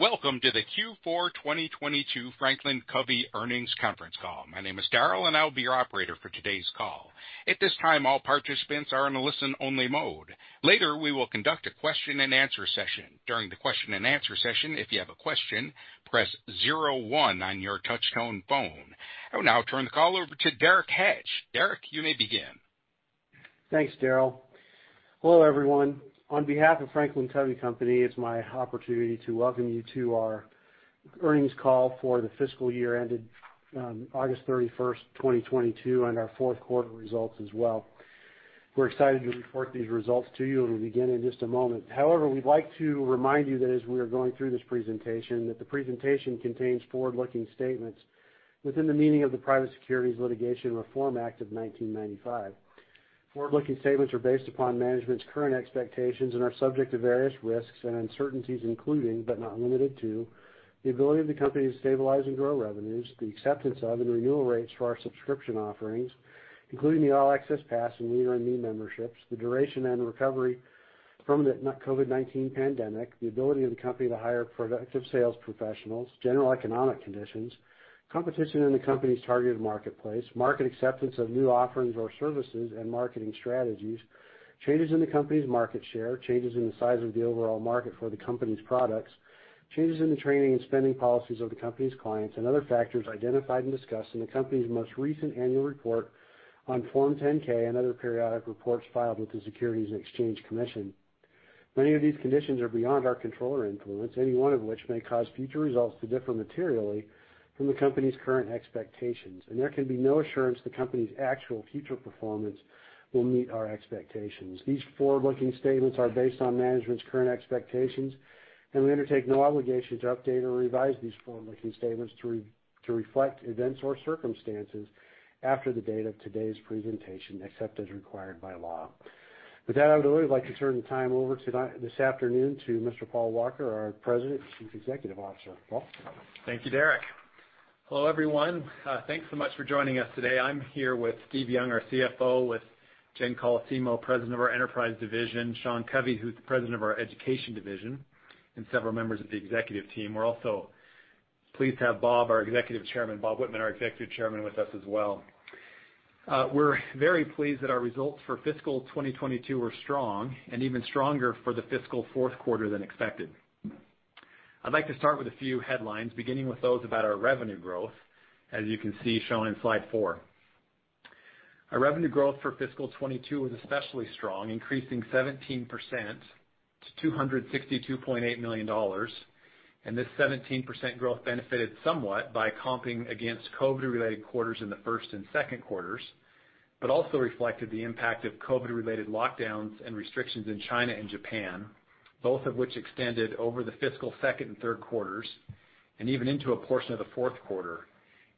Welcome to the Q4 2022 FranklinCovey earnings conference call. My name is Daryl, and I'll be your operator for today's call. At this time, all participants are in a listen-only mode. Later, we will conduct a question-and-answer session. During the question-and-answer session, if you have a question, press zero one on your touch-tone phone. I will now turn the call over to Derek Hatch. Derek, you may begin. Thanks, Daryl. Hello, everyone. On behalf of FranklinCovey Co., it's my opportunity to welcome you to our earnings call for the fiscal year ended August 31, 2022, and our fourth quarter results as well. We're excited to report these results to you, and we'll begin in just a moment. However, we'd like to remind you that as we are going through this presentation, that the presentation contains forward-looking statements within the meaning of the Private Securities Litigation Reform Act of 1995. Forward-looking statements are based upon management's current expectations and are subject to various risks and uncertainties, including, but not limited to, the ability of the company to stabilize and grow revenues, the acceptance of and renewal rates for our subscription offerings, including the All Access Pass and Leader in Me memberships, the duration and recovery from the COVID-19 pandemic, the ability of the company to hire productive sales professionals, general economic conditions, competition in the company's targeted marketplace, market acceptance of new offerings or services and marketing strategies, changes in the company's market share, changes in the size of the overall market for the company's products, changes in the training and spending policies of the company's clients, and other factors identified and discussed in the company's most recent annual report on Form 10-K and other periodic reports filed with the Securities and Exchange Commission. Many of these conditions are beyond our control or influence, any one of which may cause future results to differ materially from the company's current expectations, and there can be no assurance the company's actual future performance will meet our expectations. These forward-looking statements are based on management's current expectations, and we undertake no obligation to update or revise these forward-looking statements to reflect events or circumstances after the date of today's presentation, except as required by law. With that, I would really like to turn the time over this afternoon to Mr. Paul Walker, our President and Chief Executive Officer. Paul? Thank you, Derek. Hello, everyone. Thanks so much for joining us today. I'm here with Steve Young, our CFO, with Jen Colosimo, President of our Enterprise Division, Sean Covey, who's the president of our Education Division, and several members of the executive team. We're also pleased to have Bob Whitman, our Executive Chairman, with us as well. We're very pleased that our results for fiscal 2022 were strong and even stronger for the fiscal fourth quarter than expected. I'd like to start with a few headlines, beginning with those about our revenue growth, as you can see shown in slide four. Our revenue growth for fiscal 2022 was especially strong, increasing 17% to $262.8 million, and this 17% growth benefited somewhat by comping against COVID-related quarters in the first and second quarters, but also reflected the impact of COVID-related lockdowns and restrictions in China and Japan, both of which extended over the fiscal second and third quarters and even into a portion of the fourth quarter,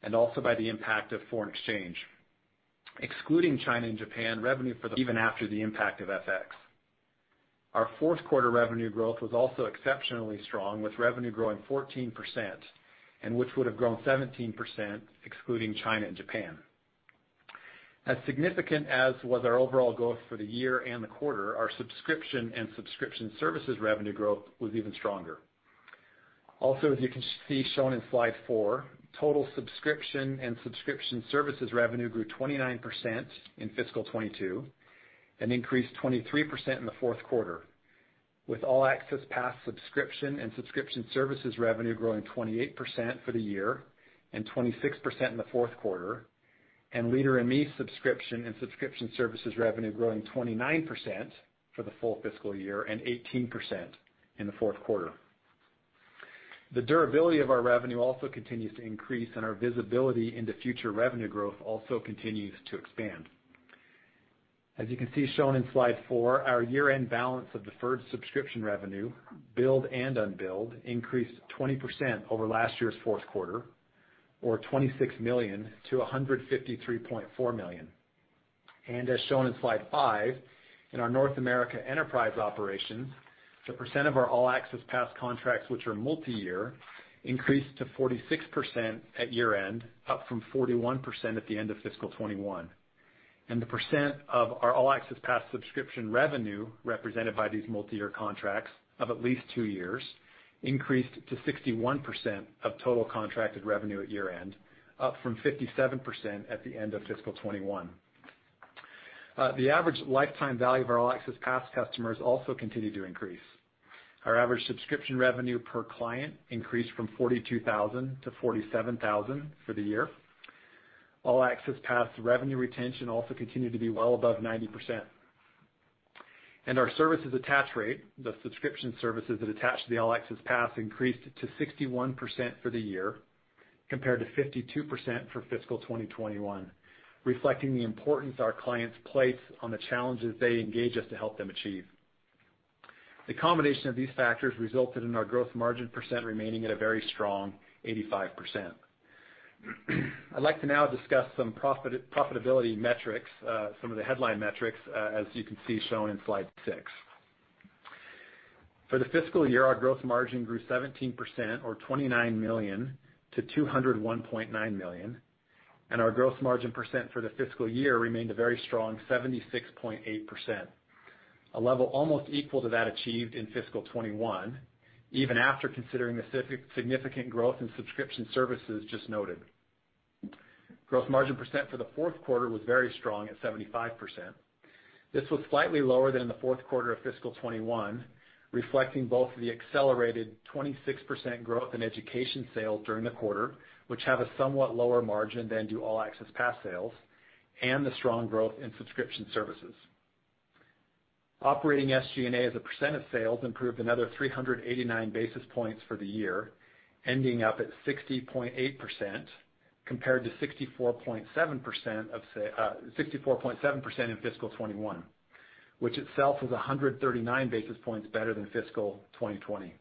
and also by the impact of foreign exchange. Excluding China and Japan, even after the impact of FX. Our fourth quarter revenue growth was also exceptionally strong, with revenue growing 14% and which would have grown 17% excluding China and Japan. As significant as was our overall growth for the year and the quarter, our subscription and subscription services revenue growth was even stronger. Also, as you can see shown in slide four, total subscription and subscription services revenue grew 29% in fiscal 2022 and increased 23% in the fourth quarter, with All Access Pass subscription and subscription services revenue growing 28% for the year and 26% in the fourth quarter, and Leader in Me subscription and subscription services revenue growing 29% for the full fiscal year and 18% in the fourth quarter. The durability of our revenue also continues to increase, and our visibility into future revenue growth also continues to expand. As you can see shown in slide four, our year-end balance of deferred subscription revenue, billed and unbilled, increased 20% over last year's fourth quarter from $26 million to $153.4 million. As shown in slide five, in our North America enterprise operations, the percent of our All Access Pass contracts which are multi-year increased to 46% at year-end, up from 41% at the end of fiscal 2021. The percent of our All Access Pass subscription revenue represented by these multiyear contracts of at least two years increased to 61% of total contracted revenue at year-end, up from 57% at the end of fiscal 2021. The average lifetime value of our All Access Pass customers also continued to increase. Our average subscription revenue per client increased from $42,000 to $47,000 for the year. All Access Pass revenue retention also continued to be well above 90%. Our services attach rate, the subscription services that attach to the All Access Pass, increased to 61% for the year compared to 52% for fiscal 2021, reflecting the importance our clients place on the challenges they engage us to help them achieve. The combination of these factors resulted in our growth margin percent remaining at a very strong 85%. I'd like to now discuss some profitability metrics, some of the headline metrics, as you can see shown in slide six. For the fiscal year, our growth margin grew 17% or $29 million to $201.9 million. Our gross margin percent for the fiscal year remained a very strong 76.8%, a level almost equal to that achieved in fiscal 2021, even after considering the significant growth in subscription services just noted. Gross margin percent for the fourth quarter was very strong at 75%. This was slightly lower than in the fourth quarter of fiscal 2021, reflecting both the accelerated 26% growth in education sales during the quarter, which have a somewhat lower margin than do All Access Pass sales and the strong growth in subscription services. Operating SG&A as a percent of sales improved another 389 basis points for the year, ending up at 60.8% compared to 64.7% in fiscal 2021, which itself was 139 basis points better than fiscal 2020.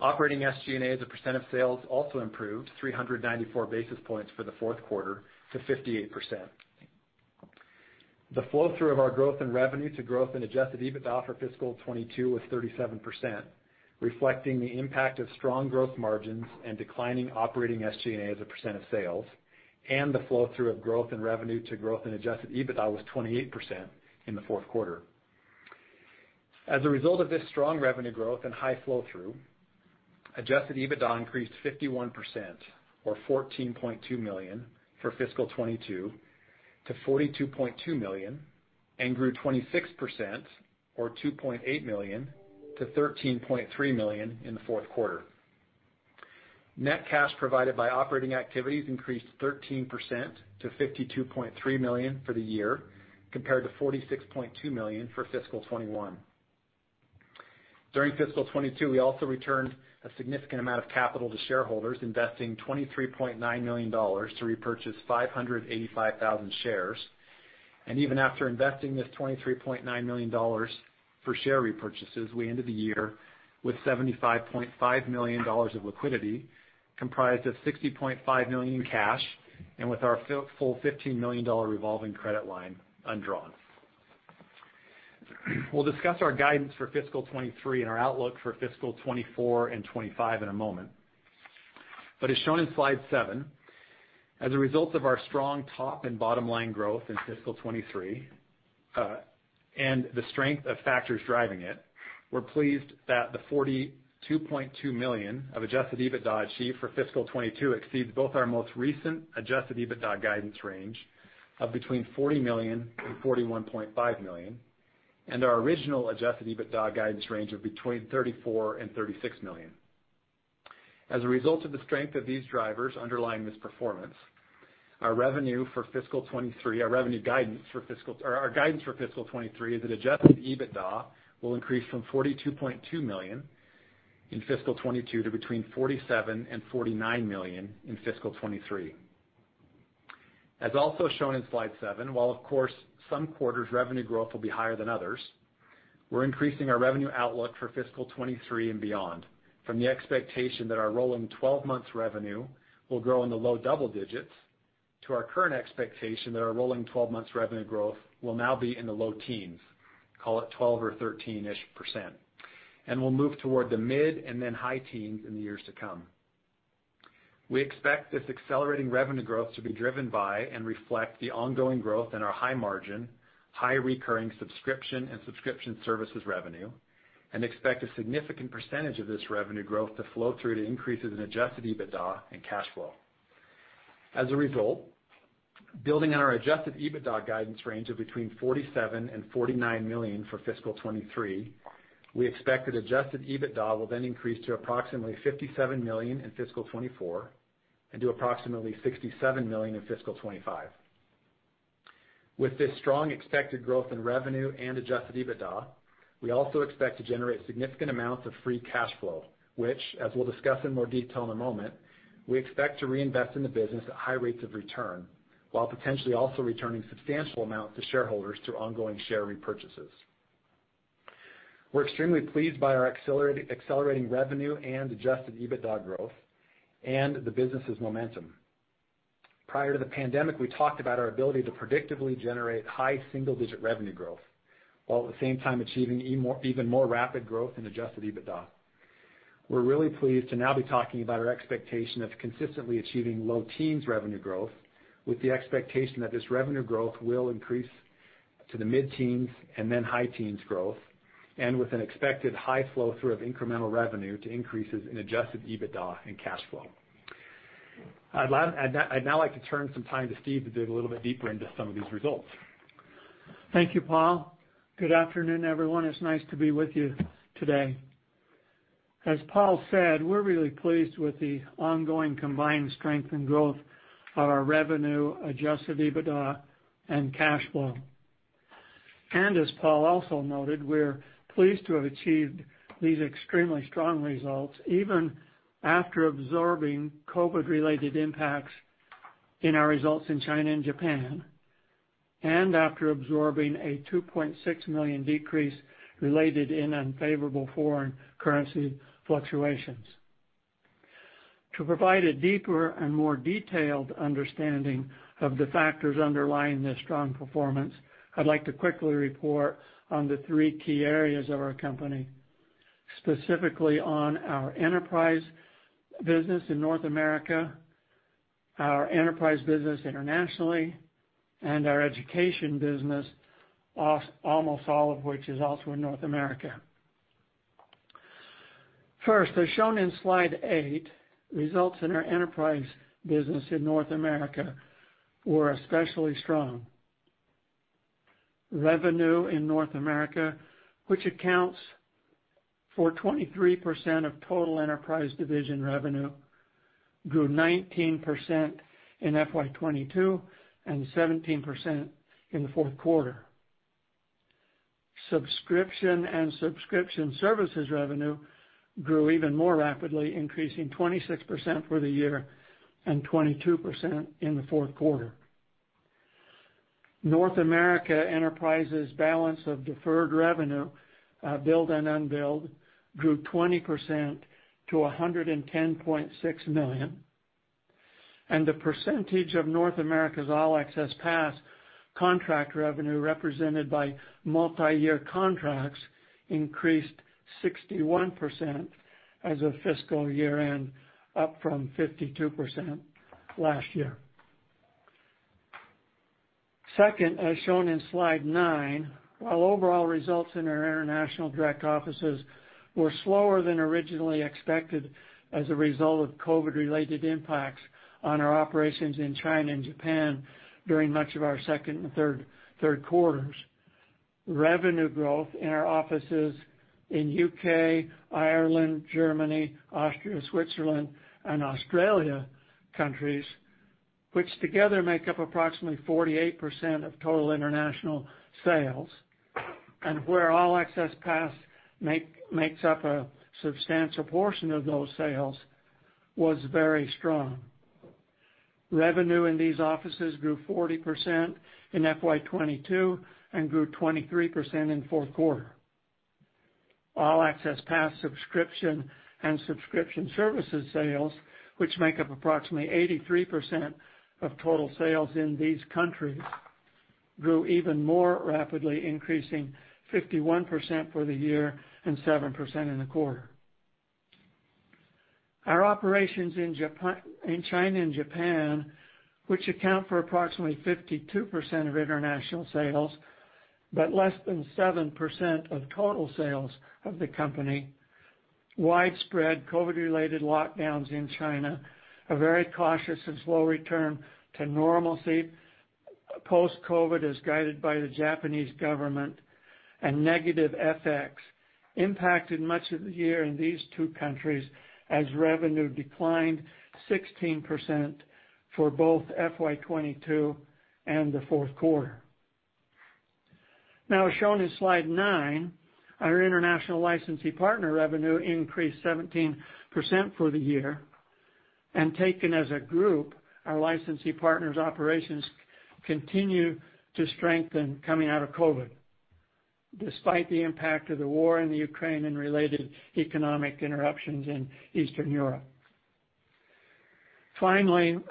Operating SG&A as a percent of sales also improved 394 basis points for the fourth quarter to 58%. The flow-through of our growth in revenue to growth in Adjusted EBITDA for fiscal 2022 was 37%, reflecting the impact of strong growth margins and declining operating SG&A as a percent of sales and the flow-through of growth in revenue to growth in Adjusted EBITDA was 28% in the fourth quarter. As a result of this strong revenue growth and high flow-through, Adjusted EBITDA increased 51% or $14.2 million for fiscal 2022 to $42.2 million and grew 26% or $2.8 million to $13.3 million in the fourth quarter. Net cash provided by operating activities increased 13% to $52.3 million for the year, compared to $46.2 million for fiscal 2021. During fiscal 2022, we also returned a significant amount of capital to shareholders, investing $23.9 million to repurchase 585,000 shares. Even after investing this $23.9 million for share repurchases, we ended the year with $75.5 million of liquidity, comprised of $60.5 million in cash and with our full $15 million revolving credit line undrawn. We'll discuss our guidance for fiscal 2023 and our outlook for fiscal 2024 and 2025 in a moment. As shown in slide seven, as a result of our strong top- and bottom-line growth in fiscal 2023, and the strength of factors driving it, we're pleased that the $42.2 million of Adjusted EBITDA achieved for fiscal 2022 exceeds both our most recent Adjusted EBITDA guidance range of between $40 million-$41.5 million, and our original Adjusted EBITDA guidance range of between $34 million-$36 million. As a result of the strength of these drivers underlying this performance, or our guidance for fiscal 2023 is that Adjusted EBITDA will increase from $42.2 million in fiscal 2022 to between $47 million-$49 million in fiscal 2023. As also shown in slide seven, while of course some quarters revenue growth will be higher than others, we're increasing our revenue outlook for fiscal 2023 and beyond from the expectation that our rolling 12 months revenue will grow in the low double digits to our current expectation that our rolling 12 months revenue growth will now be in the low teens, call it 12 or 13-ish%, and will move toward the mid and then high teens in the years to come. We expect this accelerating revenue growth to be driven by and reflect the ongoing growth in our high margin, high recurring subscription and subscription services revenue, and expect a significant percentage of this revenue growth to flow through to increases in Adjusted EBITDA and cash flow. As a result, building on our adjusted EBITDA guidance range of between $47 million and $49 million for fiscal 2023, we expect that adjusted EBITDA will then increase to approximately $57 million in fiscal 2024 and to approximately $67 million in fiscal 2025. With this strong expected growth in revenue and adjusted EBITDA, we also expect to generate significant amounts of free cash flow, which as we'll discuss in more detail in a moment, we expect to reinvest in the business at high rates of return, while potentially also returning substantial amounts to shareholders through ongoing share repurchases. We're extremely pleased by our accelerating revenue and adjusted EBITDA growth and the business's momentum. Prior to the pandemic, we talked about our ability to predictably generate high single-digit revenue growth while at the same time achieving even more rapid growth in adjusted EBITDA. We're really pleased to now be talking about our expectation of consistently achieving low teens revenue growth with the expectation that this revenue growth will increase to the mid-teens and then high teens growth and with an expected high flow-through of incremental revenue to increases in Adjusted EBITDA and cash flow. I'd now like to turn some time to Steve to dig a little bit deeper into some of these results. Thank you, Paul. Good afternoon, everyone. It's nice to be with you today. As Paul said, we're really pleased with the ongoing combined strength and growth of our revenue, Adjusted EBITDA, and cash flow. As Paul also noted, we're pleased to have achieved these extremely strong results even after absorbing COVID-related impacts in our results in China and Japan, and after absorbing a $2.6 million decrease related to unfavorable foreign currency fluctuations. To provide a deeper and more detailed understanding of the factors underlying this strong performance, I'd like to quickly report on the three key areas of our company. Specifically on our enterprise business in North America, our enterprise business internationally, and our education business, almost all of which is also in North America. First, as shown in slide eight, results in our enterprise business in North America were especially strong. Revenue in North America, which accounts for 23% of total enterprise division revenue, grew 19% in FY 2022 and 17% in the fourth quarter. Subscription and subscription services revenue grew even more rapidly, increasing 26% for the year and 22% in the fourth quarter. North America enterprise's balance of deferred revenue, billed and unbilled, grew 20% to $110.6 million. The percentage of North America's All Access Pass contract revenue represented by multiyear contracts increased 61% as of fiscal year-end, up from 52% last year. Second, as shown in slide nine, while overall results in our international direct offices were slower than originally expected as a result of COVID-related impacts on our operations in China and Japan during much of our second and third quarters. Revenue growth in our offices in U.K., Ireland, Germany, Austria, Switzerland, and Australia countries, which together make up approximately 48% of total international sales and where All Access Pass makes up a substantial portion of those sales, was very strong. Revenue in these offices grew 40% in FY 2022 and grew 23% in fourth quarter. All Access Pass subscription services sales, which make up approximately 83% of total sales in these countries, grew even more rapidly, increasing 51% for the year and 7% in the quarter. Our operations in China and Japan, which account for approximately 52% of international sales, but less than 7% of total sales of the company, widespread COVID-related lockdowns in China, a very cautious and slow return to normalcy post-COVID as guided by the Japanese government, and negative FX impacted much of the year in these two countries as revenue declined 16% for both FY 2022 and the fourth quarter. Our international licensee partner revenue increased 17% for the year. Taken as a group, our licensee partners' operations continue to strengthen coming out of COVID, despite the impact of the war in the Ukraine and related economic interruptions in Eastern Europe. The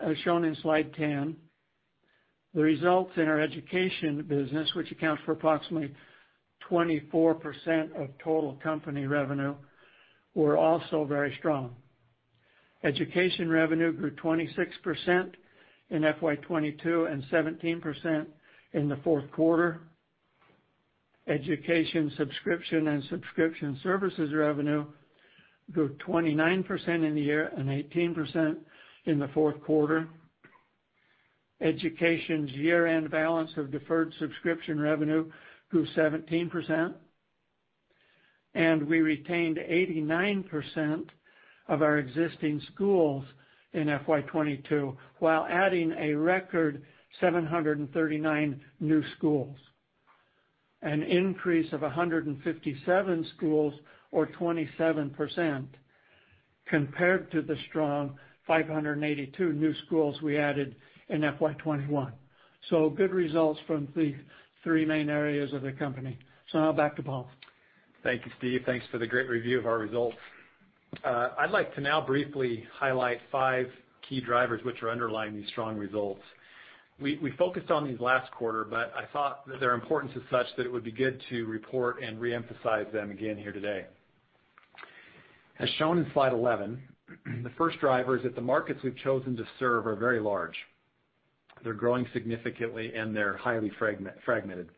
results in our education business, which accounts for approximately 24% of total company revenue, were also very strong. Education revenue grew 26% in FY 2022 and 17% in the fourth quarter. Education subscription and subscription services revenue grew 29% in the year and 18% in the fourth quarter. Education's year-end balance of deferred subscription revenue grew 17%, and we retained 89% of our existing schools in FY 2022, while adding a record 739 new schools, an increase of 157 schools or 27% compared to the strong 582 new schools we added in FY 2021. Good results from the three main areas of the company. Now back to Paul. Thank you, Steve. Thanks for the great review of our results. I'd like to now briefly highlight 5 key drivers which are underlying these strong results. We focused on these last quarter, but I thought that their importance is such that it would be good to report and reemphasize them again here today. As shown in slide 11, the first driver is that the markets we've chosen to serve are very large. They're growing significantly, and they're highly fragmented.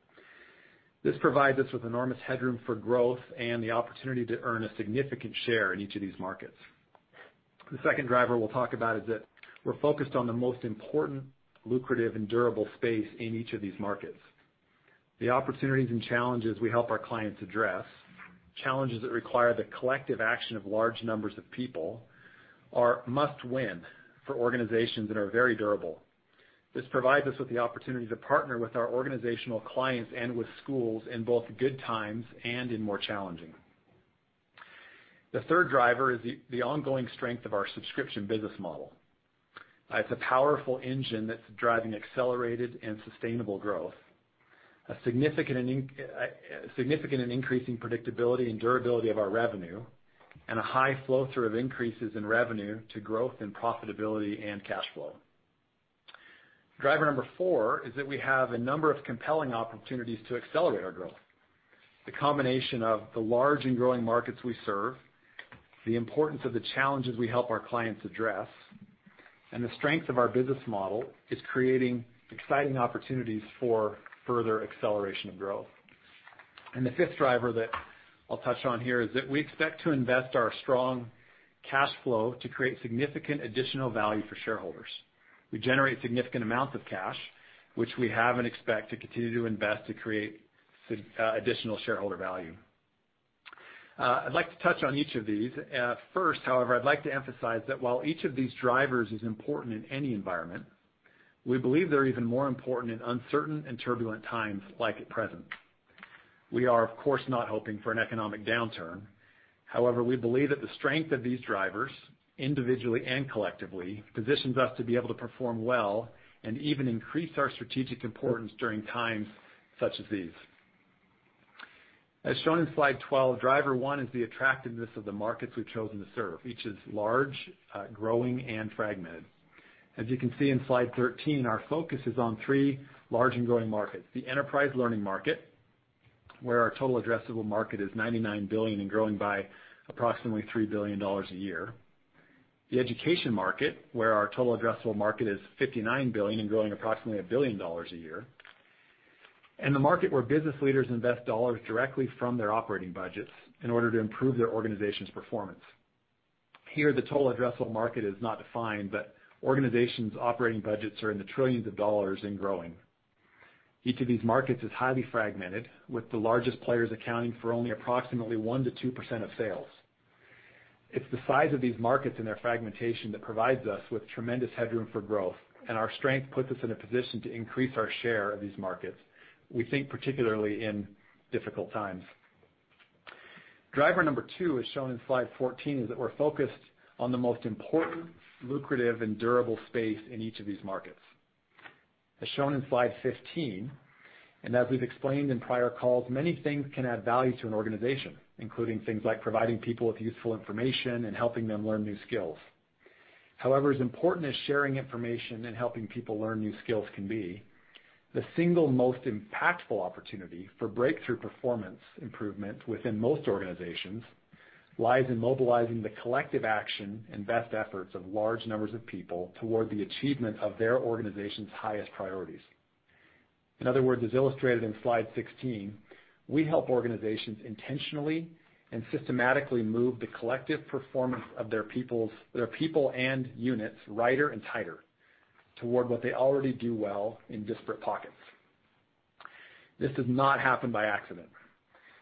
This provides us with enormous headroom for growth and the opportunity to earn a significant share in each of these markets. The second driver we'll talk about is that we're focused on the most important, lucrative, and durable space in each of these markets. The opportunities and challenges we help our clients address, challenges that require the collective action of large numbers of people, are must-win for organizations and are very durable. This provides us with the opportunity to partner with our organizational clients and with schools in both good times and in more challenging. The third driver is the ongoing strength of our subscription business model. It's a powerful engine that's driving accelerated and sustainable growth, a significant and increasing predictability and durability of our revenue, and a high flow-through of increases in revenue to growth and profitability and cash flow. Driver number four is that we have a number of compelling opportunities to accelerate our growth. The combination of the large and growing markets we serve, the importance of the challenges we help our clients address, and the strength of our business model is creating exciting opportunities for further acceleration of growth. The fifth driver that I'll touch on here is that we expect to invest our strong cash flow to create significant additional value for shareholders. We generate significant amounts of cash, which we have and expect to continue to invest to create additional shareholder value. I'd like to touch on each of these. First, however, I'd like to emphasize that while each of these drivers is important in any environment, we believe they're even more important in uncertain and turbulent times like at present. We are, of course, not hoping for an economic downturn. However, we believe that the strength of these drivers, individually and collectively, positions us to be able to perform well and even increase our strategic importance during times such as these. As shown in slide 12, driver one is the attractiveness of the markets we've chosen to serve. Each is large, growing and fragmented. As you can see in slide 13, our focus is on three large and growing markets. The enterprise learning market, where our total addressable market is $99 billion and growing by approximately $3 billion a year. The education market, where our total addressable market is $59 billion and growing approximately $1 billion a year. The market where business leaders invest dollars directly from their operating budgets in order to improve their organization's performance. Here, the total addressable market is not defined, but organizations' operating budgets are in the trillions of dollars and growing. Each of these markets is highly fragmented, with the largest players accounting for only approximately 1%-2% of sales. It's the size of these markets and their fragmentation that provides us with tremendous headroom for growth, and our strength puts us in a position to increase our share of these markets, we think particularly in difficult times. Driver number two, as shown in slide 14, is that we're focused on the most important, lucrative and durable space in each of these markets. As shown in slide 15, and as we've explained in prior calls, many things can add value to an organization, including things like providing people with useful information and helping them learn new skills. However, as important as sharing information and helping people learn new skills can be, the single most impactful opportunity for breakthrough performance improvement within most organizations lies in mobilizing the collective action and best efforts of large numbers of people toward the achievement of their organization's highest priorities. In other words, as illustrated in slide 16, we help organizations intentionally and systematically move the collective performance of their people and units righter and tighter toward what they already do well in disparate pockets. This does not happen by accident.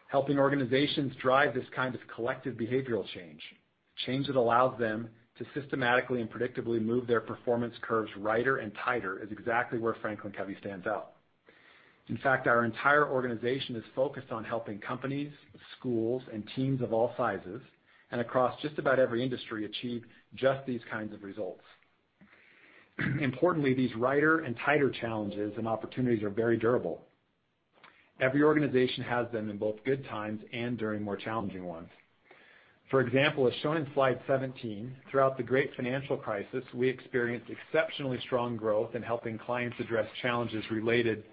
Helping organizations drive this kind of collective behavioral change that allows them to systematically and predictably move their performance curves righter and tighter, is exactly where FranklinCovey stands out. In fact, our entire organization is focused on helping companies, schools, and teams of all sizes and across just about every industry achieve just these kinds of results. Importantly, these righter and tighter challenges and opportunities are very durable. Every organization has them in both good times and during more challenging ones. For example, as shown in slide 17, throughout the great financial crisis, we experienced exceptionally strong growth in helping clients address challenges related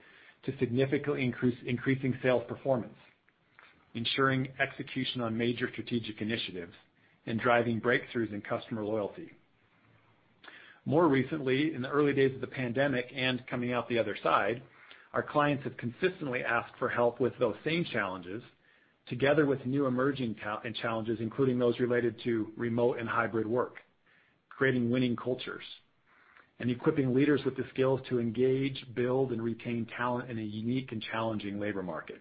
to significantly increasing sales performance, ensuring execution on major strategic initiatives, and driving breakthroughs in customer loyalty. More recently, in the early days of the pandemic and coming out the other side, our clients have consistently asked for help with those same challenges together with new emerging challenges, including those related to remote and hybrid work, creating winning cultures, and equipping leaders with the skills to engage, build, and retain talent in a unique and challenging labor market.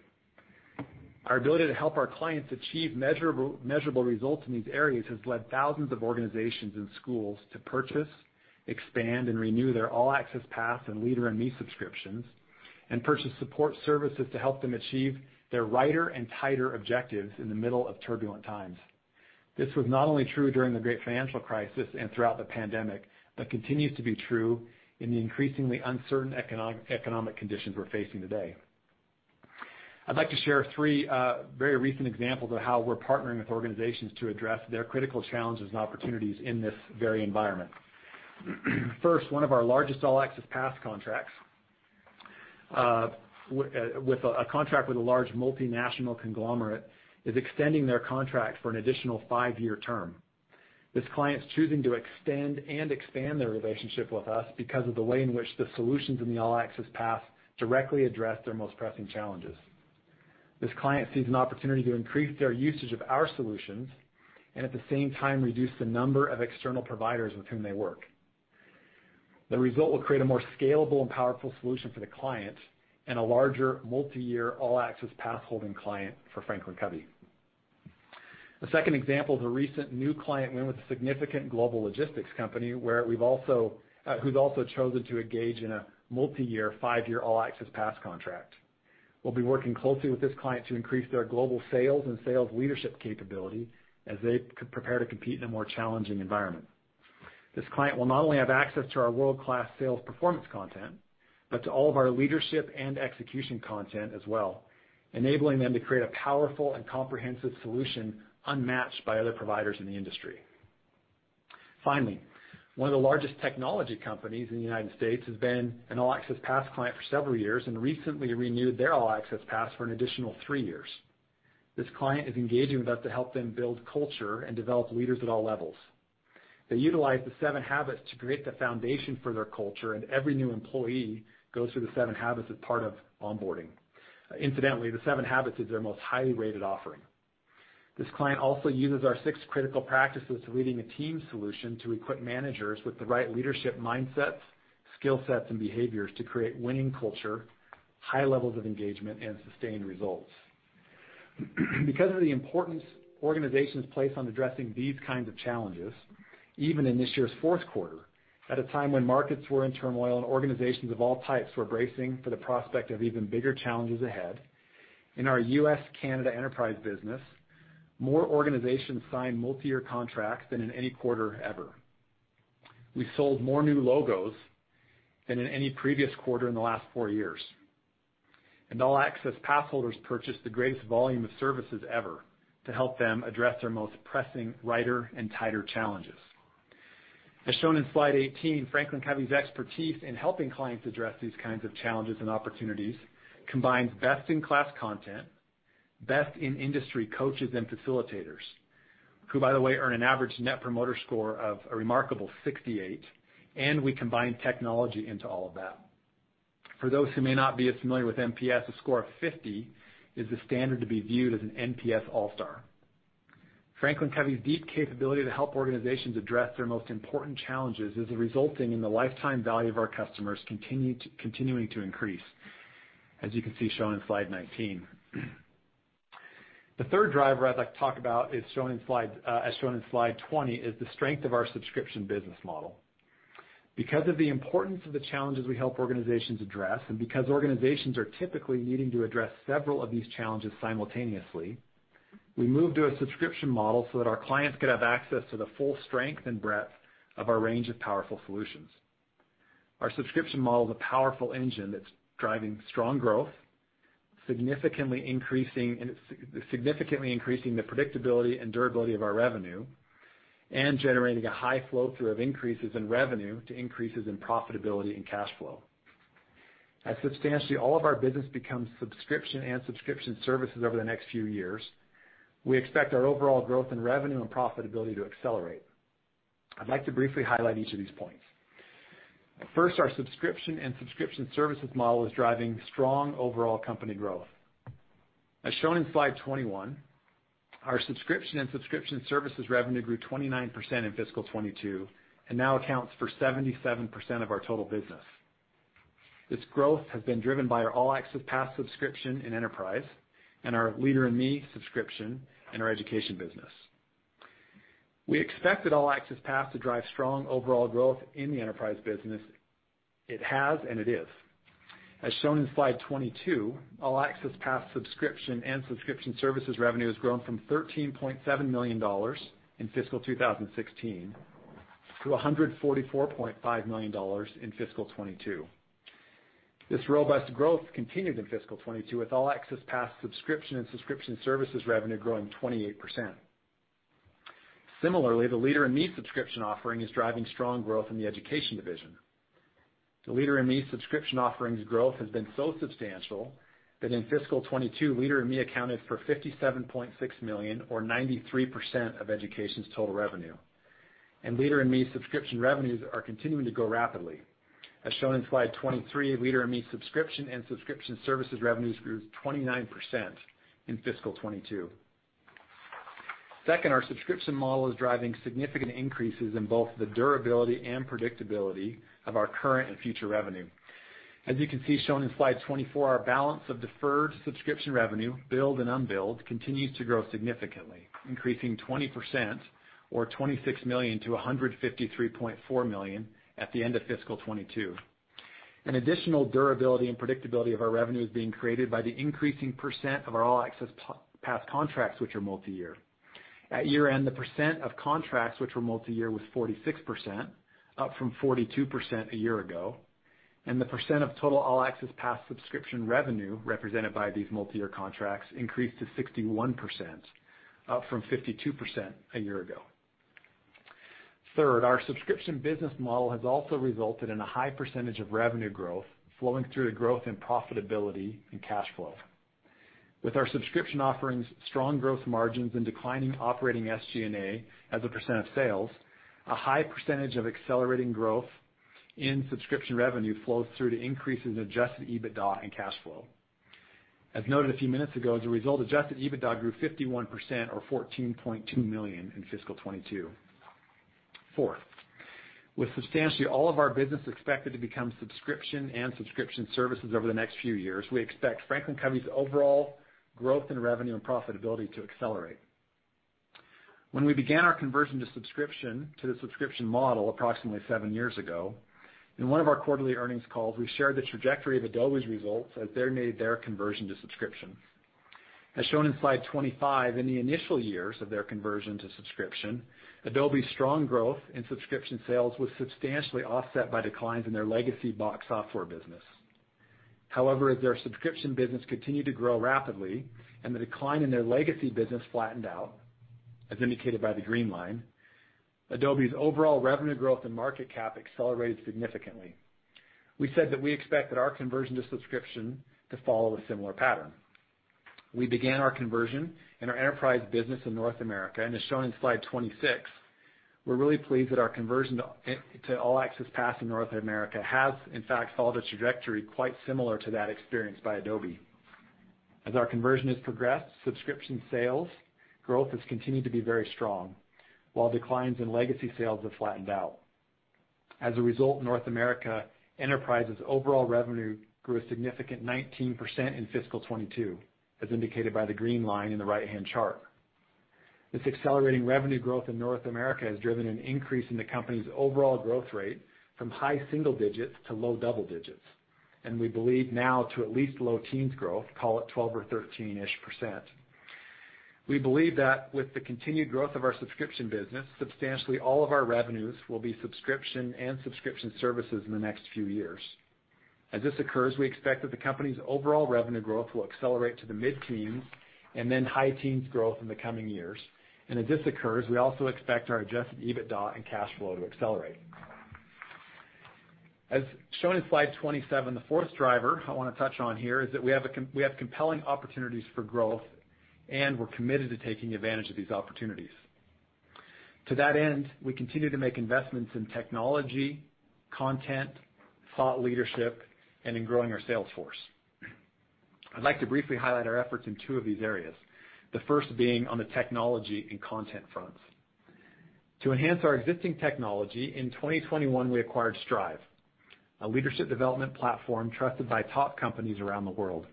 Our ability to help our clients achieve measurable results in these areas has led thousands of organizations and schools to purchase, expand, and renew their All Access Pass and Leader in Me subscriptions and purchase support services to help them achieve their right and tight objectives in the middle of turbulent times. This was not only true during the great financial crisis and throughout the pandemic, but continues to be true in the increasingly uncertain economic conditions we're facing today. I'd like to share three very recent examples of how we're partnering with organizations to address their critical challenges and opportunities in this very environment. First, one of our largest All Access Pass contracts with a large multinational conglomerate is extending their contract for an additional 5-year term. This client's choosing to extend and expand their relationship with us because of the way in which the solutions in the All Access Pass directly address their most pressing challenges. This client sees an opportunity to increase their usage of our solutions and at the same time reduce the number of external providers with whom they work. The result will create a more scalable and powerful solution for the client and a larger multi-year All Access Pass holding client for FranklinCovey. The second example is a recent new client win with a significant global logistics company where who's also chosen to engage in a multi-year five-year All Access Pass contract. We'll be working closely with this client to increase their global sales and sales leadership capability as they prepare to compete in a more challenging environment. This client will not only have access to our world-class sales performance content, but to all of our leadership and execution content as well, enabling them to create a powerful and comprehensive solution unmatched by other providers in the industry. Finally, one of the largest technology companies in the United States has been an All Access Pass client for several years and recently renewed their All Access Pass for an additional three years. This client is engaging with us to help them build culture and develop leaders at all levels. They utilize The 7 Habits to create the foundation for their culture, and every new employee goes through The 7 Habits as part of onboarding. Incidentally, The 7 Habits is their most highly rated offering. This client also uses our Six Critical Practices for Leading a Team solution to equip managers with the right leadership mindsets, skill sets, and behaviors to create winning culture, high levels of engagement, and sustained results. Because of the importance organizations place on addressing these kinds of challenges, even in this year's fourth quarter, at a time when markets were in turmoil and organizations of all types were bracing for the prospect of even bigger challenges ahead, in our U.S.-Canada enterprise business, more organizations signed multiyear contracts than in any quarter ever. We sold more new logos than in any previous quarter in the last four years. All Access Pass holders purchased the greatest volume of services ever to help them address their most pressing, right, and tighter challenges. As shown in slide 18, FranklinCovey's expertise in helping clients address these kinds of challenges and opportunities combines best-in-class content, best-in-industry coaches and facilitators, who, by the way, earn an average net promoter score of a remarkable 68, and we combine technology into all of that. For those who may not be as familiar with NPS, a score of 50 is the standard to be viewed as an NPS all-star. FranklinCovey's deep capability to help organizations address their most important challenges is resulting in the lifetime value of our customers continuing to increase, as you can see shown in slide 19. The third driver I'd like to talk about is shown in slide 20, is the strength of our subscription business model. Because of the importance of the challenges we help organizations address, and because organizations are typically needing to address several of these challenges simultaneously, we moved to a subscription model so that our clients could have access to the full strength and breadth of our range of powerful solutions. Our subscription model is a powerful engine that's driving strong growth, significantly increasing the predictability and durability of our revenue, and generating a high flow-through of increases in revenue to increases in profitability and cash flow. As substantially all of our business becomes subscription and subscription services over the next few years, we expect our overall growth in revenue and profitability to accelerate. I'd like to briefly highlight each of these points. First, our subscription and subscription services model is driving strong overall company growth. As shown in slide 21, our subscription and subscription services revenue grew 29% in fiscal 2022 and now accounts for 77% of our total business. This growth has been driven by our All Access Pass subscription in Enterprise and our Leader in Me subscription in our Education business. We expected All Access Pass to drive strong overall growth in the Enterprise business. It has, and it is. As shown in slide 22, All Access Pass subscription and subscription services revenue has grown from $13.7 million in fiscal 2016 to $144.5 million in fiscal 2022. This robust growth continued in fiscal 2022, with All Access Pass subscription and subscription services revenue growing 28%. Similarly, the Leader in Me subscription offering is driving strong growth in the Education division. The Leader in Me subscription offering's growth has been so substantial that in fiscal 2022, Leader in Me accounted for $57.6 million or 93% of Education's total revenue. Leader in Me subscription revenues are continuing to grow rapidly. As shown in slide 23, Leader in Me subscription and subscription services revenues grew 29% in fiscal 2022. Second, our subscription model is driving significant increases in both the durability and predictability of our current and future revenue. As you can see shown in slide 24, our balance of deferred subscription revenue, billed and unbilled, continues to grow significantly, increasing 20% or $26 million to $153.4 million at the end of fiscal 2022. An additional durability and predictability of our revenue is being created by the increasing percent of our All Access Pass contracts which are multiyear. At year-end, the percent of contracts which were multiyear was 46%, up from 42% a year ago, and the percent of total All Access Pass subscription revenue represented by these multiyear contracts increased to 61%, up from 52% a year ago. Third, our subscription business model has also resulted in a high percentage of revenue growth flowing through to growth in profitability and cash flow. With our subscription offerings' strong growth margins and declining operating SG&A as a percent of sales, a high percentage of accelerating growth in subscription revenue flows through to increases in Adjusted EBITDA and cash flow. As noted a few minutes ago, as a result, Adjusted EBITDA grew 51% or $14.2 million in fiscal 2022. Fourth, with substantially all of our business expected to become subscription and subscription services over the next few years, we expect FranklinCovey's overall growth in revenue and profitability to accelerate. When we began our conversion to the subscription model approximately seven years ago, in one of our quarterly earnings calls, we shared the trajectory of Adobe's results as they made their conversion to subscription. As shown in slide 25, in the initial years of their conversion to subscription, Adobe's strong growth in subscription sales was substantially offset by declines in their legacy box software business. However, as their subscription business continued to grow rapidly and the decline in their legacy business flattened out, as indicated by the green line, Adobe's overall revenue growth and market cap accelerated significantly. We said that we expected our conversion to subscription to follow a similar pattern. We began our conversion in our enterprise business in North America, and as shown in slide 26, we're really pleased that our conversion to All Access Pass in North America has in fact followed a trajectory quite similar to that experienced by Adobe. As our conversion has progressed, subscription sales growth has continued to be very strong, while declines in legacy sales have flattened out. As a result, North America Enterprises' overall revenue grew a significant 19% in fiscal 2022, as indicated by the green line in the right-hand chart. This accelerating revenue growth in North America has driven an increase in the company's overall growth rate from high single digits to low double digits, and we believe now to at least low teens growth, call it 12 or 13-ish%. We believe that with the continued growth of our subscription business, substantially all of our revenues will be subscription and subscription services in the next few years. As this occurs, we expect that the company's overall revenue growth will accelerate to the mid-teens% and then high-teens% growth in the coming years. As this occurs, we also expect our Adjusted EBITDA and cash flow to accelerate. As shown in slide 27, the fourth driver I wanna touch on here is that we have compelling opportunities for growth, and we're committed to taking advantage of these opportunities. To that end, we continue to make investments in technology, content, thought leadership, and in growing our sales force. I'd like to briefly highlight our efforts in two of these areas, the first being on the technology and content fronts. To enhance our existing technology, in 2021 we acquired Strive, a leadership development platform trusted by top companies around the world.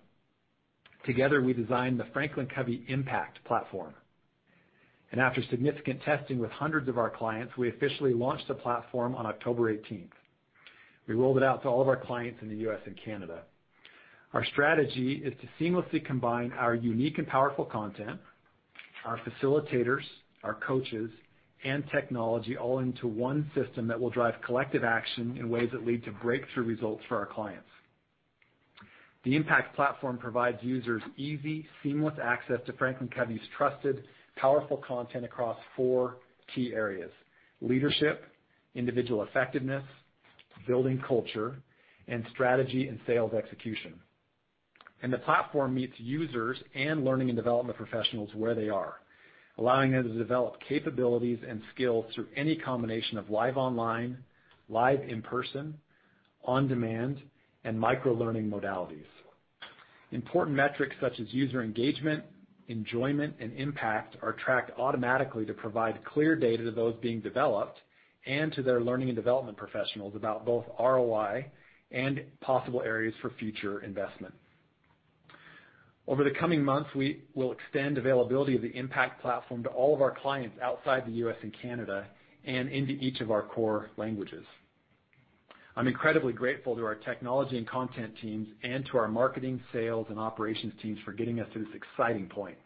Together, we designed the FranklinCovey Impact Platform. After significant testing with hundreds of our clients, we officially launched the platform on October eighteenth. We rolled it out to all of our clients in the U.S. and Canada. Our strategy is to seamlessly combine our unique and powerful content, our facilitators, our coaches, and technology all into one system that will drive collective action in ways that lead to breakthrough results for our clients. The Impact Platform provides users easy, seamless access to FranklinCovey's trusted, powerful content across four key areas, leadership, individual effectiveness, building culture, and strategy and sales execution. The platform meets users and learning and development professionals where they are, allowing them to develop capabilities and skills through any combination of live online, live in person, on demand, and micro-learning modalities. Important metrics such as user engagement, enjoyment, and impact are tracked automatically to provide clear data to those being developed and to their learning and development professionals about both ROI and possible areas for future investment. Over the coming months, we will extend availability of the Impact Platform to all of our clients outside the U.S. and Canada and into each of our core languages. I'm incredibly grateful to our technology and content teams and to our marketing, sales, and operations teams for getting us to this exciting point.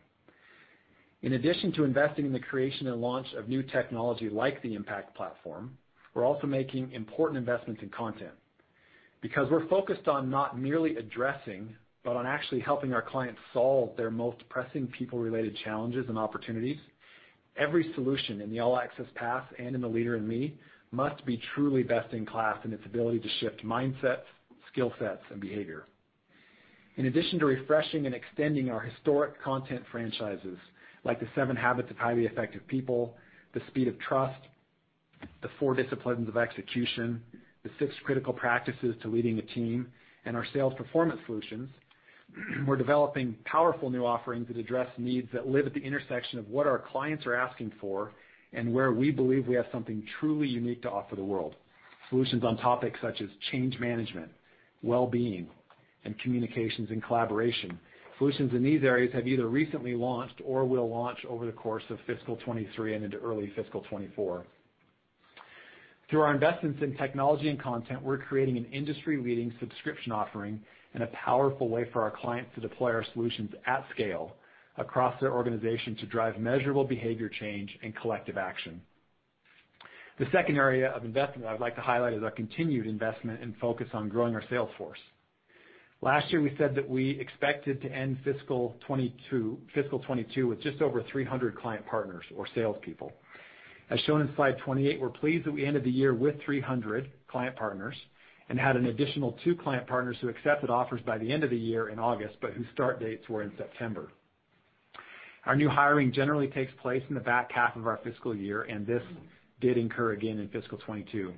In addition to investing in the creation and launch of new technology like the Impact Platform, we're also making important investments in content. Because we're focused on not merely addressing but on actually helping our clients solve their most pressing people-related challenges and opportunities, every solution in the All Access Pass and in The Leader in Me must be truly best in class in its ability to shift mindsets, skill sets, and behavior. In addition to refreshing and extending our historic content franchises, like The 7 Habits of Highly Effective People, The Speed of Trust, The 4 Disciplines of Execution, The Six Critical Practices for Leading a Team, and our sales performance solutions, we're developing powerful new offerings that address needs that live at the intersection of what our clients are asking for and where we believe we have something truly unique to offer the world. Solutions on topics such as change management, well-being, and communications and collaboration. Solutions in these areas have either recently launched or will launch over the course of fiscal 2023 and into early fiscal 2024. Through our investments in technology and content, we're creating an industry-leading subscription offering and a powerful way for our clients to deploy our solutions at scale across their organization to drive measurable behavior change and collective action. The second area of investment I'd like to highlight is our continued investment and focus on growing our sales force. Last year, we said that we expected to end fiscal 2022 with just over 300 client partners or salespeople. As shown in slide 28, we're pleased that we ended the year with 300 client partners and had an additional 2 client partners who accepted offers by the end of the year in August, but whose start dates were in September. Our new hiring generally takes place in the back half of our fiscal year, and this did occur again in fiscal 2022.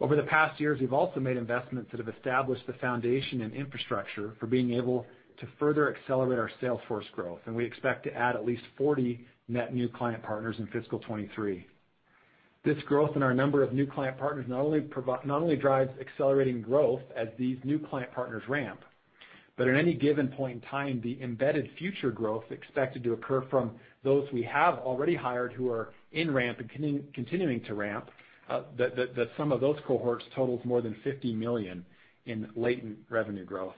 Over the past years, we've also made investments that have established the foundation and infrastructure for being able to further accelerate our sales force growth, and we expect to add at least 40 net new client partners in fiscal 2023. This growth in our number of new client partners not only drives accelerating growth as these new client partners ramp, but at any given point in time, the embedded future growth expected to occur from those we have already hired who are in ramp and continuing to ramp, the sum of those cohorts totals more than $50 million in latent revenue growth.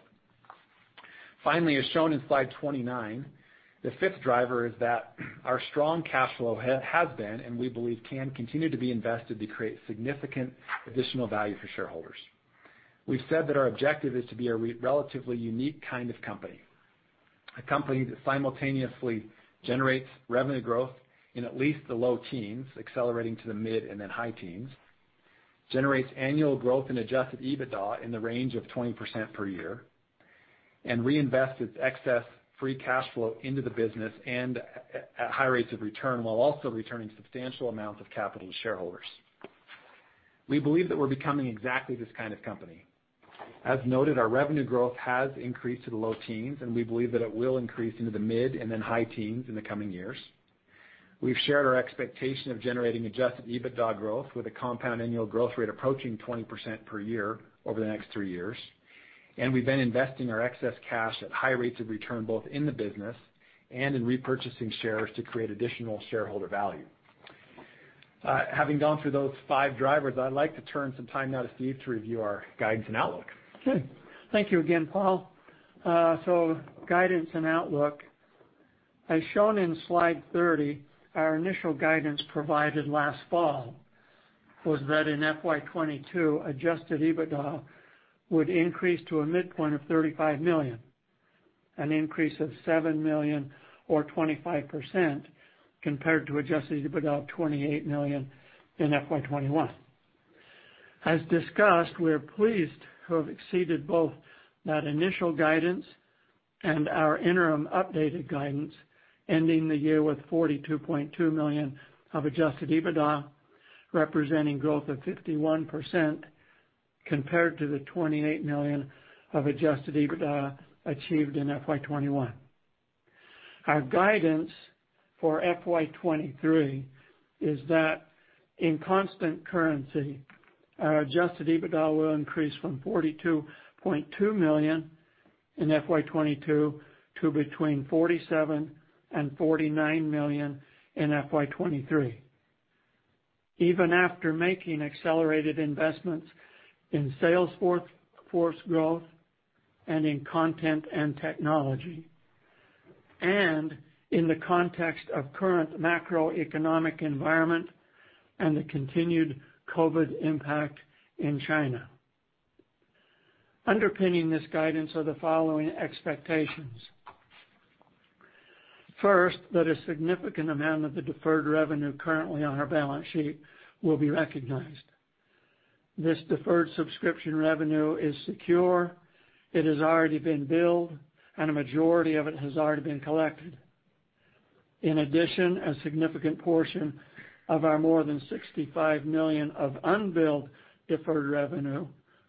Finally, as shown in slide 29, the fifth driver is that our strong cash flow has been, and we believe can continue to be invested to create significant additional value for shareholders. We've said that our objective is to be a relatively unique kind of company. A company that simultaneously generates revenue growth in at least the low teens, accelerating to the mid and then high teens, generates annual growth in Adjusted EBITDA in the range of 20% per year, and reinvests its excess free cash flow into the business and at high rates of return, while also returning substantial amounts of capital to shareholders. We believe that we're becoming exactly this kind of company. As noted, our revenue growth has increased to the low teens, and we believe that it will increase into the mid and then high teens in the coming years. We've shared our expectation of generating Adjusted EBITDA growth with a compound annual growth rate approaching 20% per year over the next three years. We've been investing our excess cash at high rates of return, both in the business and in repurchasing shares to create additional shareholder value. Having gone through those five drivers, I'd like to turn some time now to Steve to review our guidance and outlook. Okay. Thank you again, Paul. Guidance and outlook. As shown in slide 30, our initial guidance provided last fall was that in FY 2022, adjusted EBITDA would increase to a midpoint of $35 million, an increase of $7 million or 25% compared to adjusted EBITDA of $28 million in FY 2021. As discussed, we are pleased to have exceeded both that initial guidance and our interim updated guidance, ending the year with $42.2 million of adjusted EBITDA, representing growth of 51% compared to the $28 million of adjusted EBITDA achieved in FY 2021. Our guidance for FY 2023 is that in constant currency, our adjusted EBITDA will increase from $42.2 million in FY 2022 to between $47 million and $49 million in FY 2023. Even after making accelerated investments in sales force growth and in content and technology, and in the context of current macroeconomic environment and the continued COVID impact in China. Underpinning this guidance are the following expectations. First, that a significant amount of the deferred revenue currently on our balance sheet will be recognized. This deferred subscription revenue is secure, it has already been billed, and a majority of it has already been collected. In addition, a significant portion of our more than $65 million of unbilled deferred revenue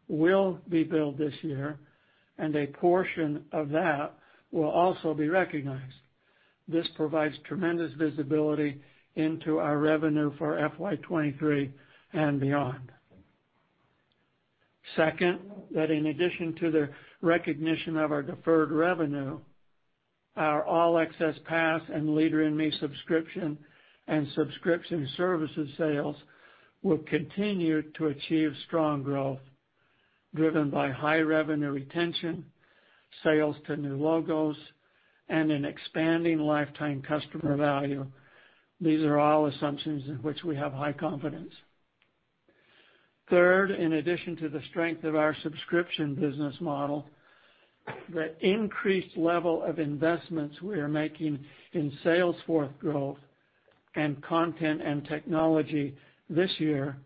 will be billed this year, and a portion of that will also be recognized. This provides tremendous visibility into our revenue for FY 2023 and beyond. Second, that in addition to the recognition of our deferred revenue, our All Access Pass and Leader in Me subscription and subscription services sales will continue to achieve strong growth driven by high revenue retention, sales to new logos, and an expanding lifetime customer value. These are all assumptions in which we have high confidence. Third, in addition to the strength of our subscription business model, the increased level of investments we are making in sales force growth and content and technology this year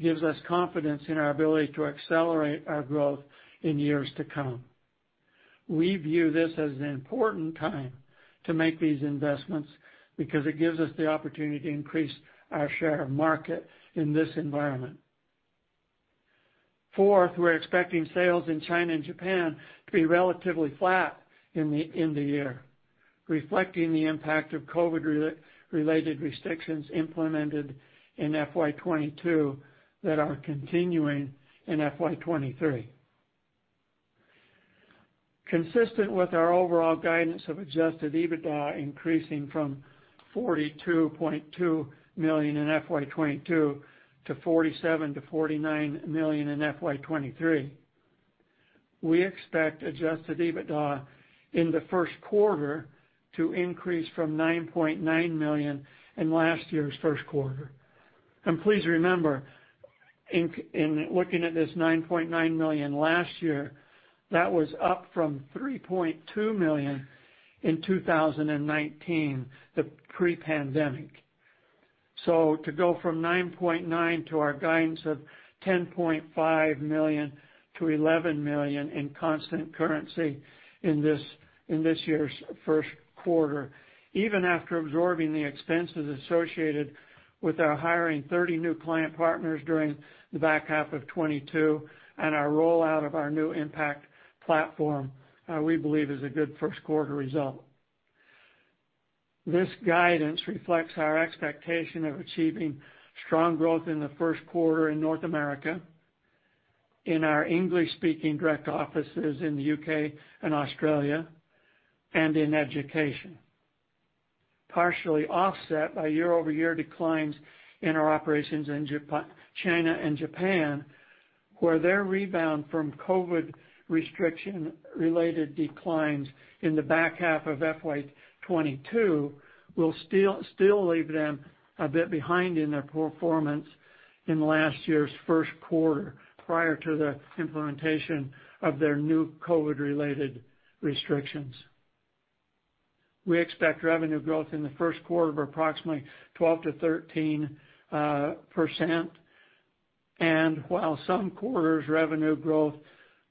gives us confidence in our ability to accelerate our growth in years to come. We view this as an important time to make these investments because it gives us the opportunity to increase our share of market in this environment. Fourth, we're expecting sales in China and Japan to be relatively flat in the year, reflecting the impact of COVID-related restrictions implemented in FY 2022 that are continuing in FY 2023. Consistent with our overall guidance of Adjusted EBITDA increasing from $42.2 million in FY 2022 to $47-$49 million in FY 2023, we expect Adjusted EBITDA in the first quarter to increase from $9.9 million in last year's first quarter. Please remember, in looking at this $9.9 million last year, that was up from $3.2 million in 2019, the pre-pandemic. To go from $9.9 million to our guidance of $10.5 million-$11 million in constant currency in this year's first quarter, even after absorbing the expenses associated with our hiring 30 new client partners during the back half of 2022 and our rollout of our new Impact Platform, we believe is a good first quarter result. This guidance reflects our expectation of achieving strong growth in the first quarter in North America, in our English-speaking direct offices in the U.K. and Australia, and in education. Partially offset by year-over-year declines in our operations in China and Japan, where their rebound from COVID restriction-related declines in the back half of FY 2022 will still leave them a bit behind in their performance in last year's first quarter, prior to the implementation of their new COVID-related restrictions. We expect revenue growth in the first quarter of approximately 12%-13% percent. While some quarters revenue growth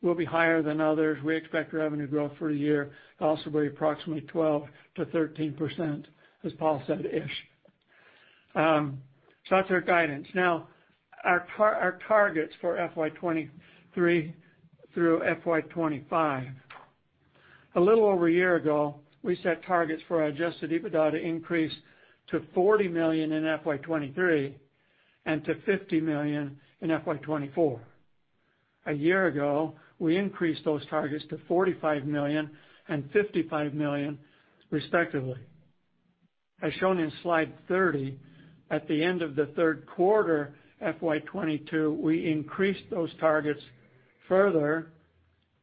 will be higher than others, we expect revenue growth for a year also by approximately 12%-13%, as Paul said, ish. So that's our guidance. Now our targets for FY 2023 through FY 2025. A little over a year ago, we set targets for our adjusted EBITDA to increase to $40 million in FY 2023 and to $50 million in FY 2024. A year ago, we increased those targets to $45 million and $55 million respectively. As shown in slide 30, at the end of the third quarter, FY 2022, we increased those targets further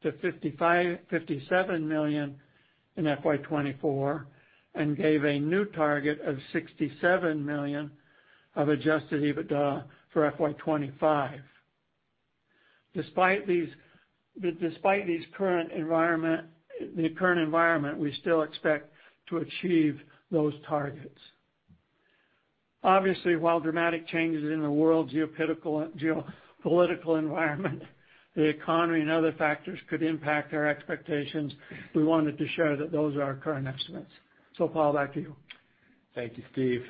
to $57 million in FY 2024 and gave a new target of $67 million of adjusted EBITDA for FY 2025. Despite these current environment, we still expect to achieve those targets. Obviously, while dramatic changes in the world geopolitical environment, the economy and other factors could impact our expectations, we wanted to show that those are our current estimates. Paul, back to you. Thank you, Steve.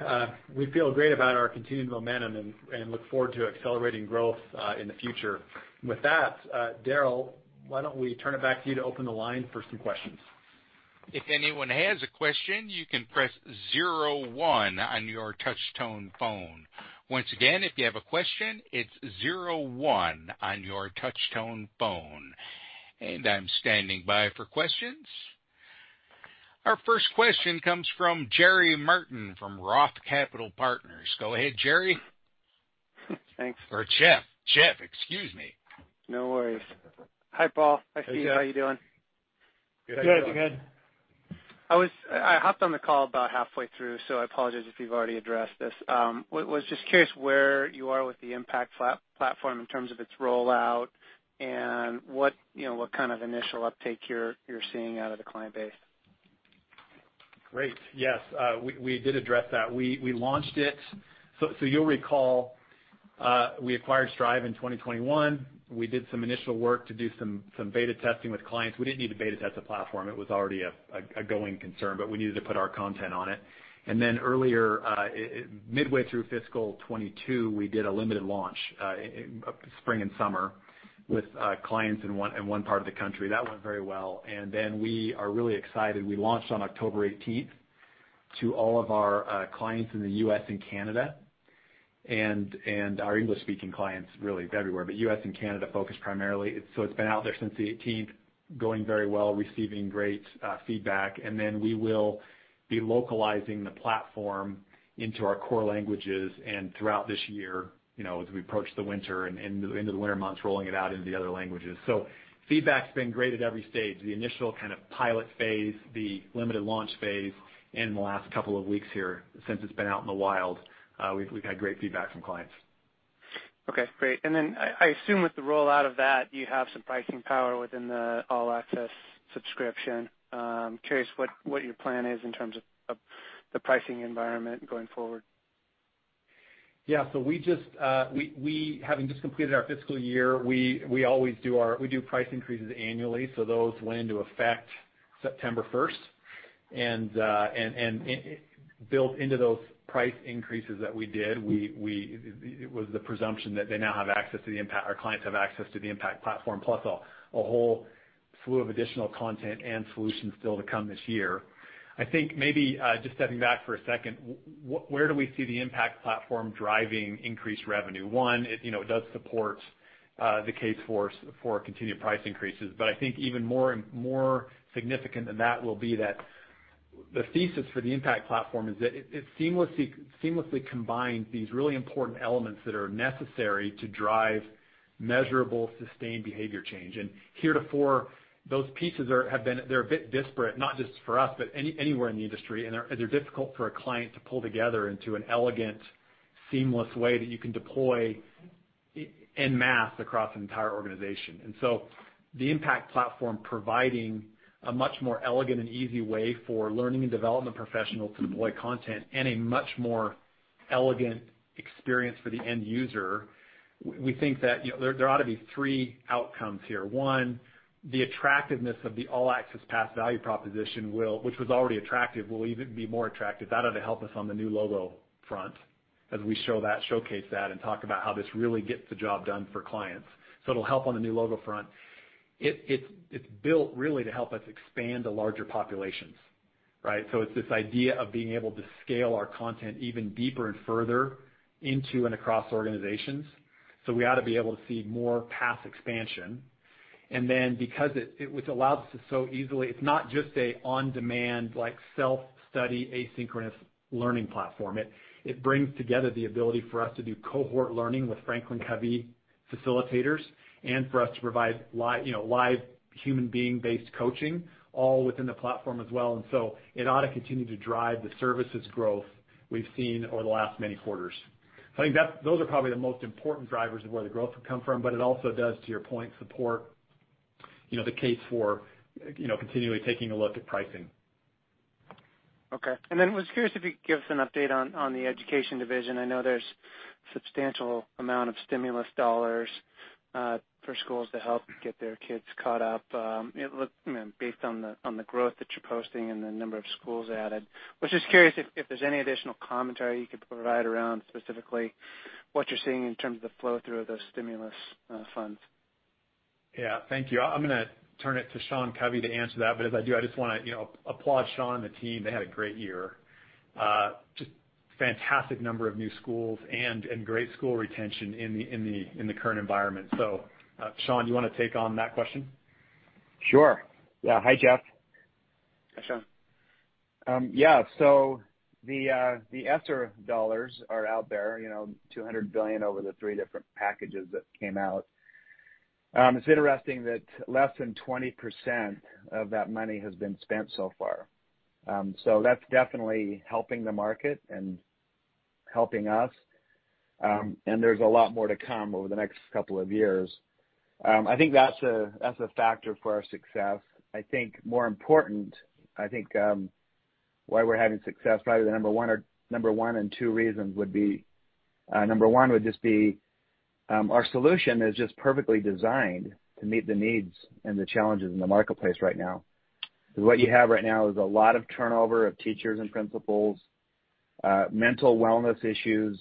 We feel great about our continued momentum and look forward to accelerating growth in the future. With that, Daryl, why don't we turn it back to you to open the line for some questions. If anyone has a question, you can press zero one on your touch tone phone. Once again, if you have a question, it's zero one on your touch tone phone. I'm standing by for questions. Our first question comes from Jeff Martin from Roth Capital Partners. Go ahead, Jeff. Thanks. Jeff. Jeff, excuse me. No worries. Hi, Paul. Hey, Jeff. Hi, Steve. How are you doing? Good. How are you? Good. I hopped on the call about halfway through, so I apologize if you've already addressed this. I was just curious where you are with the Impact Platform in terms of its rollout and what, you know, what kind of initial uptake you're seeing out of the client base. Great. Yes, we did address that. We launched it. You'll recall, we acquired Strive in 2021. We did some initial work to do some beta testing with clients. We didn't need to beta test the platform. It was already a going concern, but we needed to put our content on it. Earlier midway through fiscal 2022, we did a limited launch, spring and summer, with clients in one part of the country. That went very well. Then we are really excited. We launched on October eighteenth to all of our clients in the U.S. and Canada, and our English-speaking clients really everywhere, but US and Canada focused primarily. It's been out there since the eighteenth, going very well, receiving great feedback. We will be localizing the platform into our core languages and throughout this year, you know, as we approach the winter and into the winter months, rolling it out into the other languages. Feedback's been great at every stage. The initial kind of pilot phase, the limited launch phase in the last couple of weeks here. Since it's been out in the wild, we've had great feedback from clients. Okay, great. I assume with the rollout of that, you have some pricing power within the All Access subscription. Curious what your plan is in terms of the pricing environment going forward. Yeah. We just having just completed our fiscal year, we always do price increases annually, those went into effect September first. Built into those price increases that we did, it was the presumption that they now have access to the Impact Platform, our clients have access to the Impact Platform, plus a whole slew of additional content and solutions still to come this year. I think maybe, just stepping back for a second, where do we see the Impact Platform driving increased revenue? One, you know, it does support the case for continued price increases. I think even more significant than that will be that the thesis for the Impact Platform is that it seamlessly combines these really important elements that are necessary to drive measurable, sustained behavior change. Heretofore, those pieces have been a bit disparate, not just for us, but anywhere in the industry, and they're difficult for a client to pull together into an elegant, seamless way that you can deploy en masse across an entire organization. The Impact Platform providing a much more elegant and easy way for learning and development professionals to deploy content and a much more elegant experience for the end user, we think that, you know, there ought to be three outcomes here. One, the attractiveness of the All Access Pass value proposition, which was already attractive, will even be more attractive. That ought to help us on the new logo front as we show that, showcase that, and talk about how this really gets the job done for clients. It'll help on the new logo front. It's built really to help us expand to larger populations, right? It's this idea of being able to scale our content even deeper and further into and across organizations. We ought to be able to see more pass expansion. Because it was allowed to so easily, it's not just an on-demand like self-study asynchronous learning platform. It brings together the ability for us to do cohort learning with FranklinCovey facilitators and for us to provide, you know, live human being based coaching all within the platform as well. It ought to continue to drive the services growth we've seen over the last many quarters. I think those are probably the most important drivers of where the growth will come from, but it also does, to your point, support, you know, the case for, you know, continually taking a look at pricing. Okay. Was curious if you could give us an update on the Education Division. I know there's substantial amount of stimulus dollars for schools to help get their kids caught up. It looks based on the growth that you're posting and the number of schools added. Was just curious if there's any additional commentary you could provide around specifically what you're seeing in terms of the flow-through of those stimulus funds. Yeah, thank you. I'm gonna turn it to Sean Covey to answer that. As I do, I just wanna, you know, applaud Sean and the team. They had a great year. Just fantastic number of new schools and great school retention in the current environment. Sean, you wanna take on that question? Sure. Yeah. Hi, Jeff. Hi, Sean. Yeah. The ESSER dollars are out there, you know, $200 billion over the three different packages that came out. It's interesting that less than 20% of that money has been spent so far. That's definitely helping the market and helping us. There's a lot more to come over the next couple of years. I think that's a factor for our success. I think more important, why we're having success, probably the number one or number one and two reasons would be, number one would just be, our solution is just perfectly designed to meet the needs and the challenges in the marketplace right now. What you have right now is a lot of turnover of teachers and principals, mental wellness issues,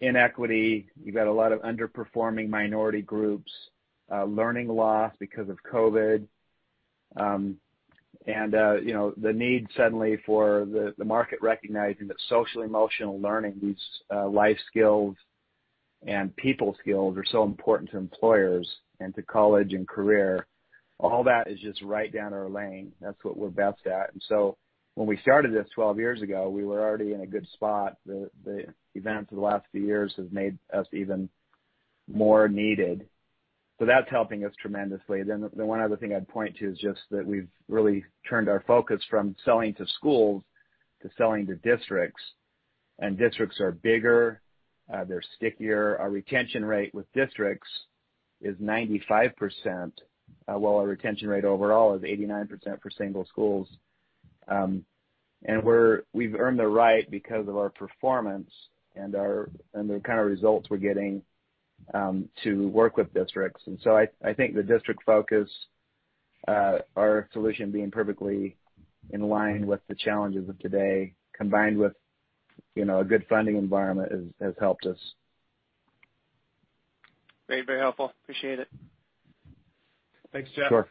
inequity. You've got a lot of underperforming minority groups, learning loss because of COVID. You know, the need suddenly for the market recognizing that social emotional learning, these life skills and people skills are so important to employers and to college and career. All that is just right down our lane. That's what we're best at. When we started this 12 years ago, we were already in a good spot. The events of the last few years have made us even more needed. That's helping us tremendously. The one other thing I'd point to is just that we've really turned our focus from selling to schools to selling to districts. Districts are bigger, they're stickier. Our retention rate with districts is 95%, while our retention rate overall is 89% for single schools. We've earned the right because of our performance and the kind of results we're getting to work with districts. I think the district focus, our solution being perfectly in line with the challenges of today, combined with, you know, a good funding environment has helped us. Very, very helpful. Appreciate it. Thanks, Jeff. Sure.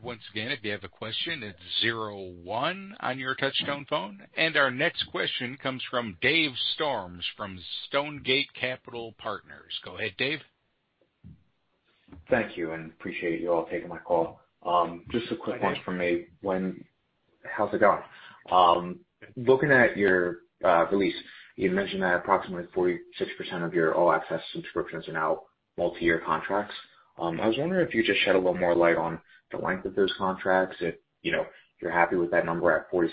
Once again, if you have a question, it's zero one on your touch-tone phone. Our next question comes from David Storms from Stonegate Capital Partners. Go ahead, Dave. Thank you, and appreciate you all taking my call. Just a quick one from me. How's it going? Looking at your release, you mentioned that approximately 46% of your All Access subscriptions are now multi-year contracts. I was wondering if you just shed a little more light on the length of those contracts if, you know, you're happy with that number at 46%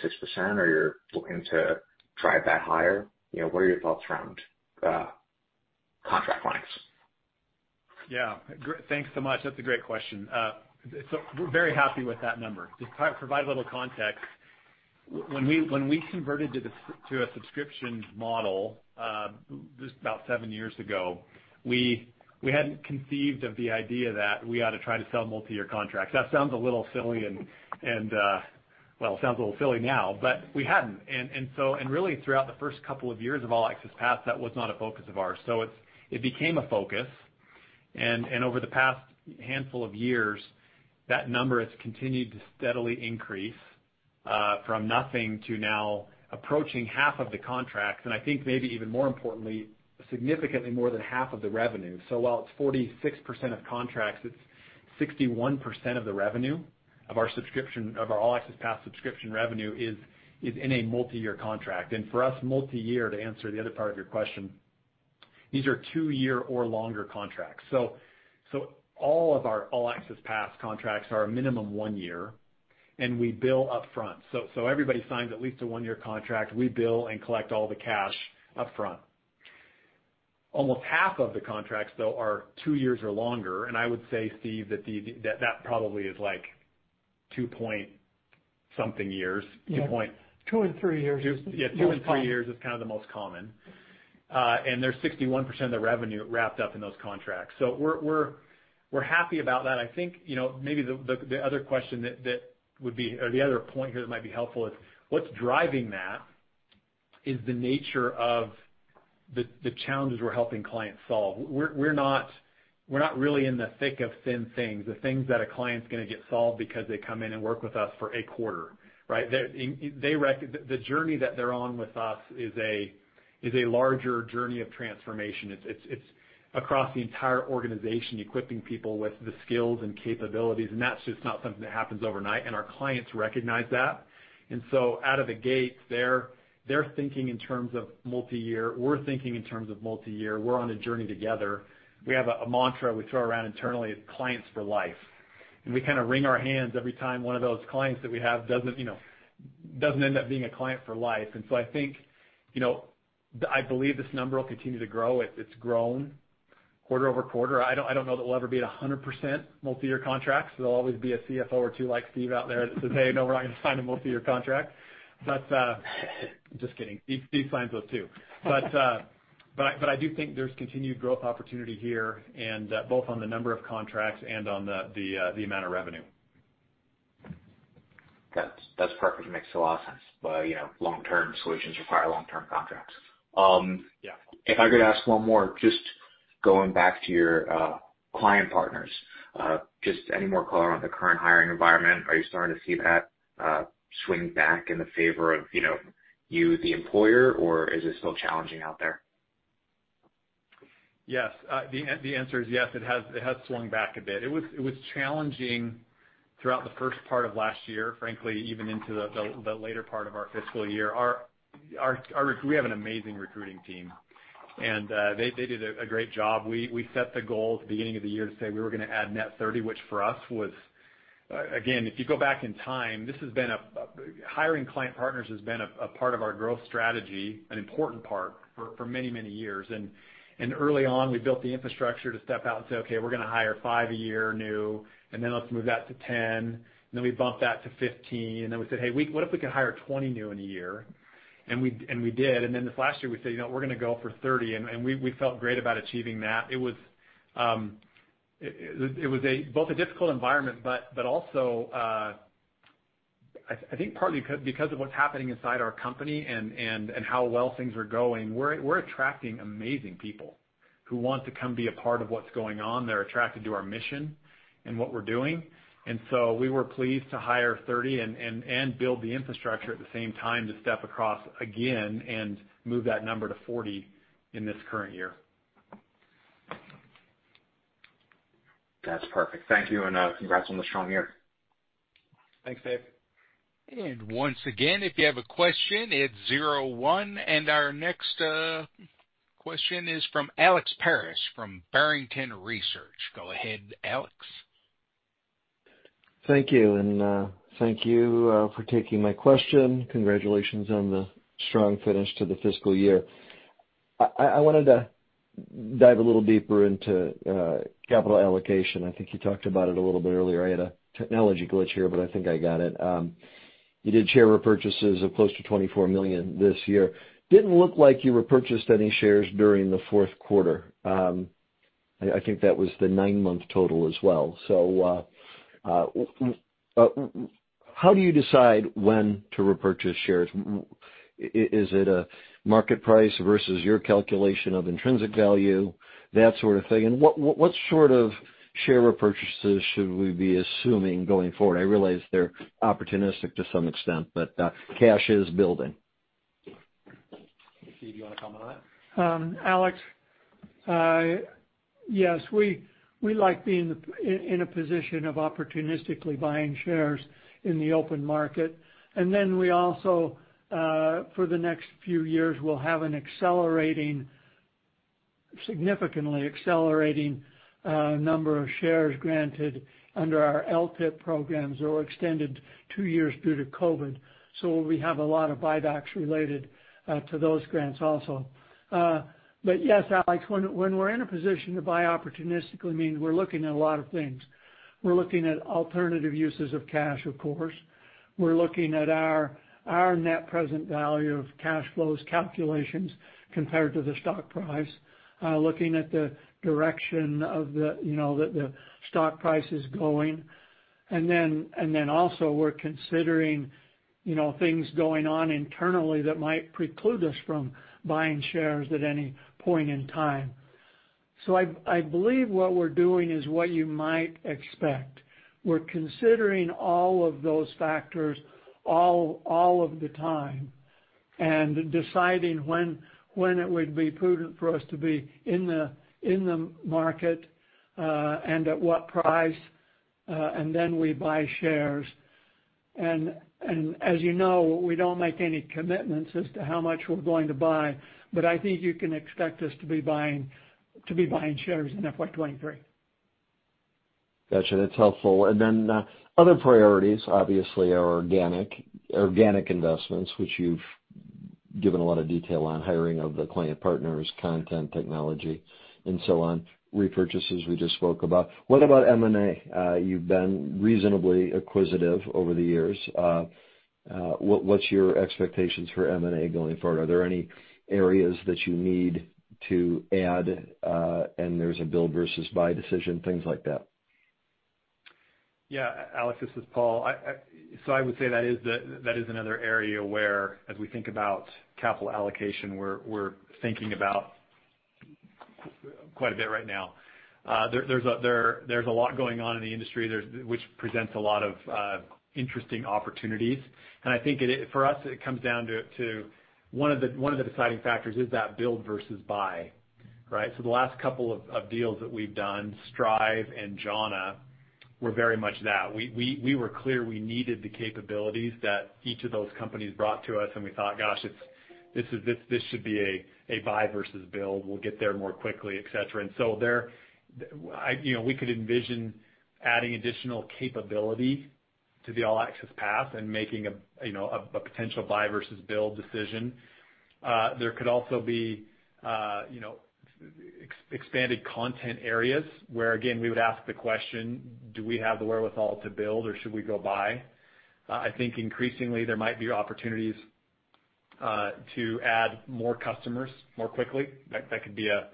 or you're looking to drive that higher. You know, what are your thoughts around contract lengths? Yeah. Thanks so much. That's a great question. So we're very happy with that number. Just to provide a little context, when we converted to a subscription model, this is about 7 years ago, we hadn't conceived of the idea that we ought to try to sell multi-year contracts. That sounds a little silly and, well, it sounds a little silly now, but we hadn't. Really throughout the first couple of years of All Access Pass, that was not a focus of ours. It became a focus. Over the past handful of years, that number has continued to steadily increase from nothing to now approaching half of the contracts, and I think maybe even more importantly, significantly more than half of the revenue. While it's 46% of contracts, it's 61% of the revenue of our subscription, of our All Access Pass subscription revenue is in a multi-year contract. For us, multi-year, to answer the other part of your question, these are two-year or longer contracts. All of our All Access Pass contracts are a minimum one year, and we bill up front. Everybody signs at least a one-year contract. We bill and collect all the cash up front. Almost half of the contracts, though, are two years or longer. I would say, Steve, that that probably is like two point something years. Two point- Two and three years is. Yeah. Two and three years is kind of the most common. And there's 61% of the revenue wrapped up in those contracts. We're happy about that. I think, you know, maybe the other question that would be, or the other point here that might be helpful is what's driving that is the nature of the challenges we're helping clients solve. We're not really in the thick of thin things, the things that a client's gonna get solved because they come in and work with us for a quarter, right? The journey that they're on with us is a larger journey of transformation. It's across the entire organization, equipping people with the skills and capabilities, and that's just not something that happens overnight, and our clients recognize that. Out of the gate, they're thinking in terms of multi-year. We're thinking in terms of multi-year. We're on a journey together. We have a mantra we throw around internally, clients for life. We kinda wring our hands every time one of those clients that we have doesn't end up being a client for life. I think, you know, I believe this number will continue to grow. It's grown quarter-over-quarter. I don't know that we'll ever be at a 100% multi-year contracts. There'll always be a CFO or two like Steve out there that says, "Hey, no, we're not gonna sign a multi-year contract." But just kidding. Steve signs those too. I do think there's continued growth opportunity here and both on the number of contracts and on the amount of revenue. That's perfect. Makes a lot of sense. You know, long-term solutions require long-term contracts. Yeah. If I could ask one more, just going back to your, client partners, just any more color on the current hiring environment. Are you starting to see that, swing back in the favor of, you know, you, the employer, or is it still challenging out there? Yes. The answer is yes, it has swung back a bit. It was challenging throughout the first part of last year, frankly even into the later part of our fiscal year. We have an amazing recruiting team, and they did a great job. We set the goal at the beginning of the year to say we were gonna add net 30, which for us was. Again, if you go back in time, hiring client partners has been a part of our growth strategy, an important part, for many years. Early on, we built the infrastructure to step out and say, "Okay, we're gonna hire five a year new, and then let's move that to 10." Then we bumped that to 15. We said, "Hey, what if we could hire 20 new in a year?" We did. This last year, we said, you know, "We're gonna go for 30." We felt great about achieving that. It was both a difficult environment, but also I think partly because of what's happening inside our company and how well things are going, we're attracting amazing people who want to come be a part of what's going on. They're attracted to our mission and what we're doing. We were pleased to hire 30 and build the infrastructure at the same time to step across again and move that number to 40 in this current year. That's perfect. Thank you, and congrats on the strong year. Thanks, Dave. Once again, if you have a question, it's 01. Our next question is from Alexander Paris from Barrington Research. Go ahead, Alex. Thank you, and thank you for taking my question. Congratulations on the strong finish to the fiscal year. I wanted to dive a little deeper into capital allocation. I think you talked about it a little bit earlier. I had a technology glitch here, but I think I got it. You did share repurchases of close to $24 million this year. Didn't look like you repurchased any shares during the fourth quarter. I think that was the nine-month total as well. How do you decide when to repurchase shares? Is it a market price versus your calculation of intrinsic value, that sort of thing? What sort of share repurchases should we be assuming going forward? I realize they're opportunistic to some extent, but cash is building. Steve, do you wanna comment on that? Alex, yes, we like being in a position of opportunistically buying shares in the open market. We also, for the next few years, will have an accelerating, significantly accelerating, number of shares granted under our LTIP programs that were extended two years due to COVID. We have a lot of buybacks related to those grants also. Yes, Alex, when we're in a position to buy opportunistically, meaning we're looking at a lot of things. We're looking at alternative uses of cash, of course. We're looking at our net present value of cash flows calculations compared to the stock price, looking at the direction of the, you know, the stock price is going. We're considering, you know, things going on internally that might preclude us from buying shares at any point in time. I believe what we're doing is what you might expect. We're considering all of those factors all of the time and deciding when it would be prudent for us to be in the market and at what price, and then we buy shares. As you know, we don't make any commitments as to how much we're going to buy, but I think you can expect us to be buying shares in FY 2023. Gotcha. That's helpful. Other priorities, obviously, are organic investments, which you've given a lot of detail on, hiring of the client partners, content technology, and so on. Repurchases, we just spoke about. What about M&A? You've been reasonably acquisitive over the years. What's your expectations for M&A going forward? Are there any areas that you need to add, and there's a build versus buy decision, things like that? Yeah, Alex, this is Paul. I would say that is another area where as we think about capital allocation, we're thinking about quite a bit right now. There's a lot going on in the industry. Which presents a lot of interesting opportunities. I think for us, it comes down to one of the deciding factors is that build versus buy, right? The last couple of deals that we've done, Strive and Jhana, were very much that. We were clear we needed the capabilities that each of those companies brought to us, and we thought, "Gosh, this should be a buy versus build. We'll get there more quickly, et cetera." There, I... You know, we could envision adding additional capability to the All Access Pass and making a potential buy versus build decision. There could also be, you know, expanded content areas where again, we would ask the question, do we have the wherewithal to build or should we go buy? I think increasingly there might be opportunities to add more customers more quickly. That could be a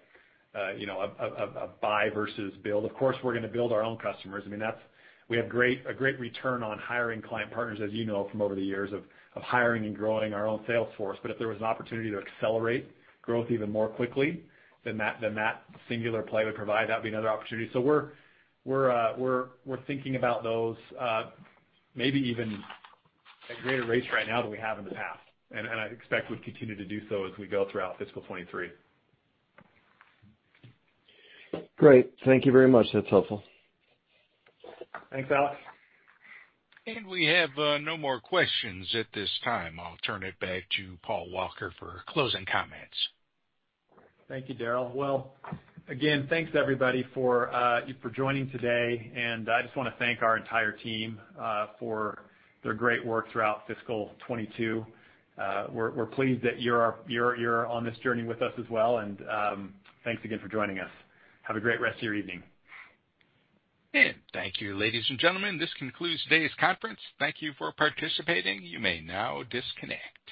buy versus build. Of course, we're gonna build our own customers. I mean, that's we have a great return on hiring client partners, as you know, from over the years of hiring and growing our own sales force. If there was an opportunity to accelerate growth even more quickly than that singular play would provide, that would be another opportunity. We're thinking about those, maybe even at greater rates right now than we have in the past. I expect we'll continue to do so as we go throughout fiscal 2023. Great. Thank you very much. That's helpful. Thanks, Alex. We have no more questions at this time. I'll turn it back to Paul Walker for closing comments. Thank you, Daryl. Well, again, thanks everybody for joining today. I just wanna thank our entire team for their great work throughout fiscal 2022. We're pleased that you're on this journey with us as well. Thanks again for joining us. Have a great rest of your evening. Thank you, ladies and gentlemen. This concludes today's conference. Thank you for participating. You may now disconnect.